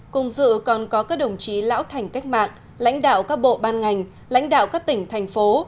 cùng dự còn có các đồng chí lão thành cách mạng lãnh đạo các bộ ban ngành lãnh đạo các tỉnh thành phố